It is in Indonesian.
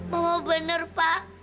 mama bener pa